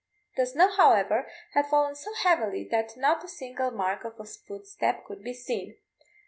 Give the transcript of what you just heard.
The snow, however, had fallen so heavily that not a single mark of a footstep could be seen.